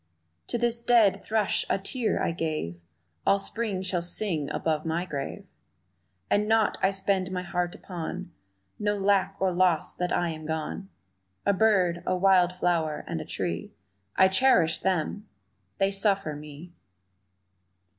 To this dead thrush a tear I gave All Spring shall sing above my grave, And naught I spend my heart upon Know lack or loss that I am gone A bird, a wild flower and a tree, I cherish them; they suffer me!